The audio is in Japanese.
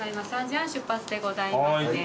３時半出発でございますね。